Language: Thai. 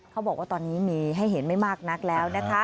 เขาบอกว่าตอนนี้มีให้เห็นไม่มากนักแล้วนะคะ